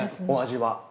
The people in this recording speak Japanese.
お味は。